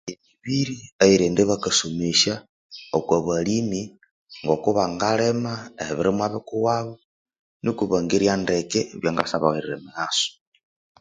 Emibiri eyerighenda bakasomesya okwa balima ngakubangalima ebirimwa bikuwabo niko bangerya ndeke byangasyabayirira emighaso.